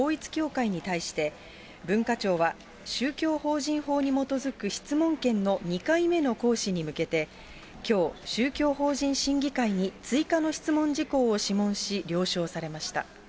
世界平和統一家庭連合、いわゆる統一教会に対して、文化庁は、宗教法人法に基づく質問権の２回目の行使に向けて、きょう、宗教法人審議会に追加の質問事項を諮問し、了承されました。